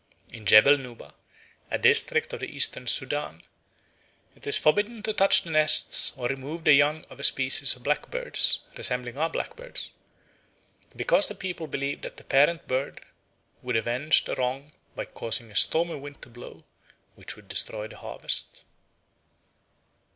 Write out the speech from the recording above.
In Jebel Nuba, a district of the Eastern Sudan, it is forbidden to touch the nests or remove the young of a species of black birds, resembling our blackbirds, because the people believe that the parent birds would avenge the wrong by causing a stormy wind to blow, which would destroy the harvest.